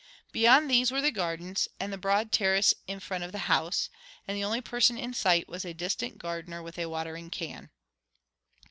Beyond these were the gardens, and the broad terrace in front of the house; and the only person in sight was a distant gardener with a watering can.